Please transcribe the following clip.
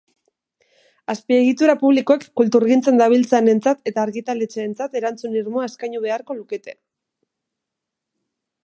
Azpiegitura publikoek kulturgintzan dabiltzanentzat eta argitaletxeentzat erantzun irmoa eskaini beharko lukete.